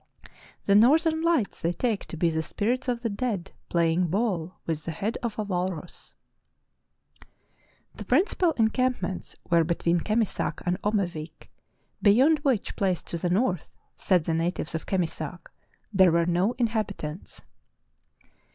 "The northern lights they take to be the spirits of the dead playing ball with the head of a walrus." The principal encampments were between Kemisak and Omevik, beyond which place to the north, said the natives of Kemisak, there were no inhabitants.